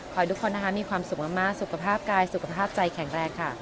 ทุกคนนะคะมีความสุขมากสุขภาพกายสุขภาพใจแข็งแรงค่ะ